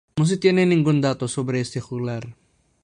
No se tiene ningún dato sobre este juglar.